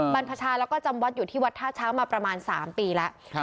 บรรพชาแล้วก็จำวัดอยู่ที่วัดท่าช้างมาประมาณ๓ปีแล้ว